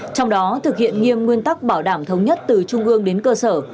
trong đó thực hiện nghiêm nguyên tắc bảo đảm thống nhất từ trung ương đến cơ sở